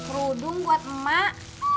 rudung buat emak